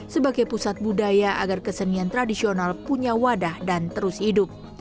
sebagai pusat budaya agar kesenian tradisional punya wadah dan terus hidup